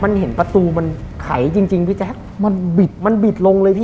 มันเห็นประตูมันไขจริงมันบิดลงเลย